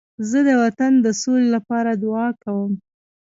زه د وطن د سولې لپاره دعا کوم.